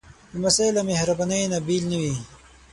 لمسی له مهربانۍ نه بېل نه وي.